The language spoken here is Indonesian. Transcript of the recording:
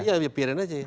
iya biarin aja